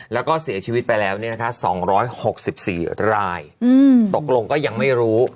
แล้วก็เสียชีวิตไปแล้ว๒๖๔รายตกลงก็ยังไม่รู้